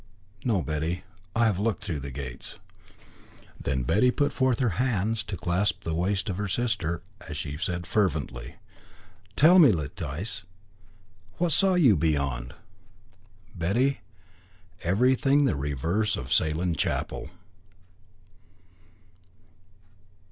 "No, Betty. I have looked through the gates." Then Betty put forth her hands to clasp the waist of her sister, as she said fervently "Tell me, Letice, what you saw beyond." "Betty everything the reverse of Salem Chapel."